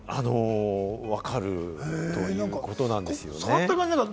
分かるということなんですよね？